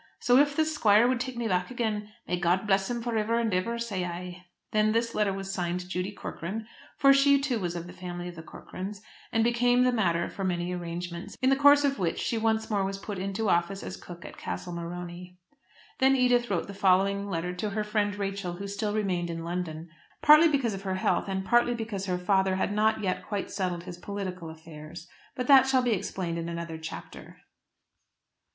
So if the squire would take me back again, may God bless him for iver and iver, say I." Then this letter was signed Judy Corcoran, for she too was of the family of the Corcorans, and became the matter for many arrangements, in the course of which she once more was put into office as cook at Castle Morony. Then Edith wrote the following letter to her friend Rachel, who still remained in London, partly because of her health and partly because her father had not yet quite settled his political affairs. But that shall be explained in another chapter.